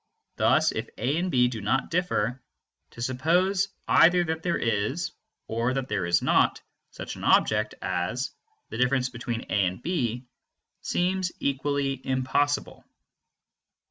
Thus if A and B do not differ, to suppose either that there is, or that there is not, such an object as "the difference between A and B" seems equally impossible.